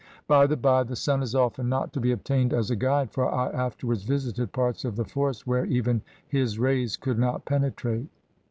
"By the bye, the sun is often not to be obtained as a guide, for I afterwards visited parts of the forest where even his rays could not penetrate.